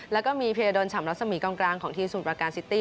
แล้วก็มีเวลาโดนฉำลักษณ์สมีย์กลางของที่สูตรประการซิตี้